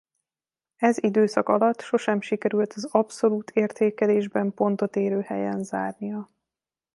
Ez időszak alatt sosem sikerült az abszolút értékelésben pontot érő helyen zárnia.